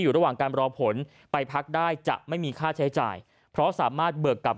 ระหว่างการรอผลไปพักได้จะไม่มีค่าใช้จ่ายเพราะสามารถเบิกกับ